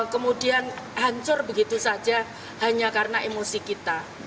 kemudian hancur begitu saja hanya karena emosi kita